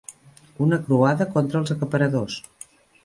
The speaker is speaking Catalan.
Una croada contra els acaparadors.